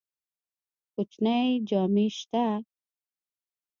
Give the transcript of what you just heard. کوچنی جامی شته؟